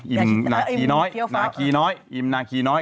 อย่าคิดว่าอิมนาขี่น้อย